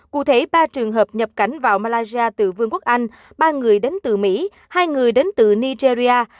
cụ thể ba trường hợp nhập cảnh vào malaysia từ vương quốc anh ba người đến từ mỹ hai người đến từ nigeria